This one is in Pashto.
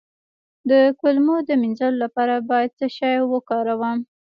د کولمو د مینځلو لپاره باید څه شی وکاروم؟